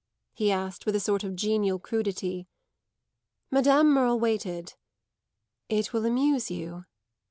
he asked with a sort of genial crudity. Madame Merle waited. "It will amuse you."